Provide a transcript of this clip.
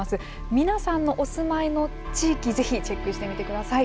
皆さんのお住まいの地域是非チェックしてみてください。